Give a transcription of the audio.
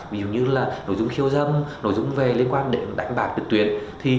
ví dụ như nội dung khiêu dâm nội dung về liên quan đến đánh bạc tuyệt tuyệt